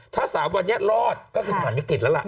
ถ้า๓วันนี้รอดก็คือผ่านวิกฤตแล้วล่ะ